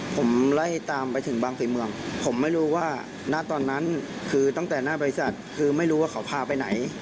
ผมไล่ตามไปถึงบางศรีเมืองผมไม่รู้ว่าณตอนนั้นคือตั้งแต่หน้าบริษัทคือไม่รู้ว่าเขาพาไปไหน